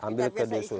ambil ke gusun